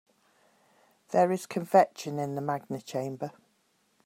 There is convection in the magma chamber.